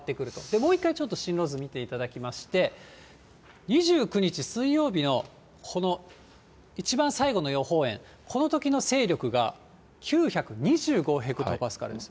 もう一回、進路図、見ていただきまして、２９日水曜日のこの一番最後の予報円、このときの勢力が９２５ヘクトパスカルです。